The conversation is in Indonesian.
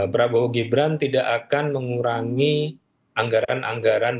prabowo gibran tidak akan mengurangi anggaran anggaran